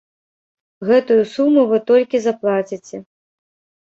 Гэтую суму вы толькі заплаціце.